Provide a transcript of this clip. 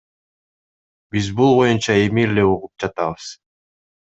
Биз бул боюнча эми эле угуп жатабыз.